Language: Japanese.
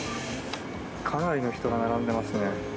かなりの人が並んでますね。